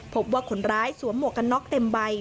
พบว่าคนร้ายสวมหมวกกันน็อกเต็มใบ